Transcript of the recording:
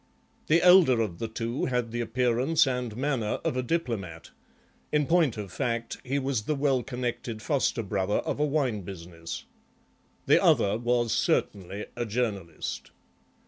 The elder of the two had the appearance and manner of a diplomat; in point of fact he was the well connected foster brother of a wine business. The other was certainly a journalist.